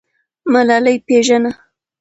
ملالۍ پیژنه.